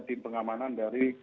tim pengamanan dari